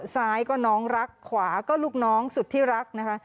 ซ้ายก็น้องรักขวาก็ลูกน้องสุดที่รักนะคะ